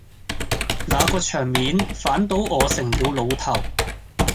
那個場面反倒我成了老頭